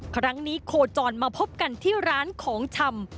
ครั้งนี้โคจรมาพบกันที่ร้านของชำ